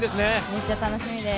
めっちゃ楽しみです。